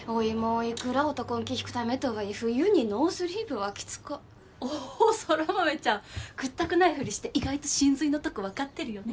いくら男ん気ひくためとはいえ冬にノースリーブはきつか空豆ちゃんくったくないふりして意外と神髄のとこ分かってるよね